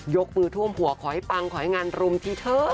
ยกมือท่วมหัวขอให้ปังขอให้งานรุมที่เธอ